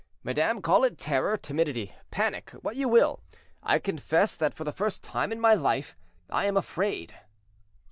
Madame, call it terror, timidity, panic, what you will, I confess that for the first time in my life I am afraid."